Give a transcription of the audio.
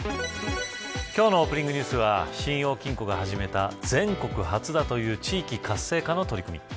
今日のオープニングニュースは信用金庫が始めた全国初だという地域活性化の取り組み。